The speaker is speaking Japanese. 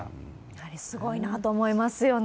やはりすごいなと思いますよね。